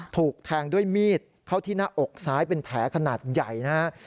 ถูกแทงด้วยมีดเข้าที่หน้าอกซ้ายเป็นแผลขนาดใหญ่นะฮะ